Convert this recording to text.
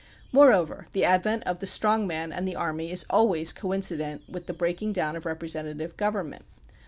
Moreover, the advent of the strong man and the army is always coincident with the breaking down of representative government.